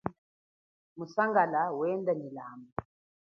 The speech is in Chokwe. Musangala wenda nyi lamba.